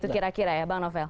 kira kira ya bang novel